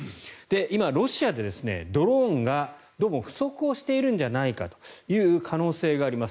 今、ロシアでドローンがどうも不足をしているんじゃないかという可能性があります。